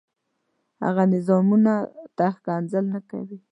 هغه نظامونو ته ښکنځل نه کوي.